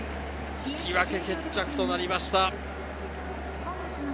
引き分け決着となりました。